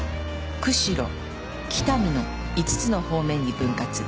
釧路北見の５つの方面に分割。